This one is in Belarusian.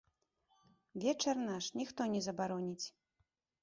Вечар наш, ніхто не забароніць.